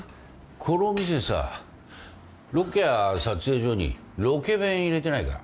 この店さロケや撮影所にロケ弁入れてないか？